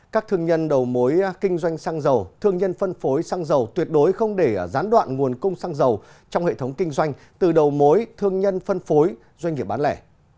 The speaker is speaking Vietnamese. các thương nhân đầu mối kinh doanh xăng dầu thương nhân phân phối xăng dầu tuyệt đối không để gián đoạn nguồn cung xăng dầu trong hệ thống kinh doanh từ đầu mối thương nhân phân phối doanh nghiệp bán lẻ